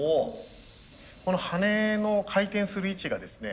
この羽根の回転する位置がですね